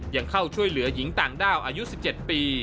ยังเข้าช่วยเหลือหญิงต่างด้าวอายุ๑๗ปี